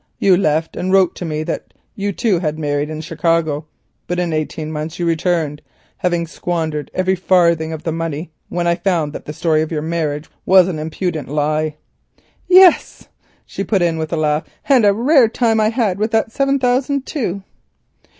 You left and wrote to me that you too had married in Chicago, but in eighteen months you returned, having squandered every farthing of the money, when I found that the story of your marriage was an impudent lie." "Yes," she put in with a laugh, "and a rare time I had with that seven thousand too."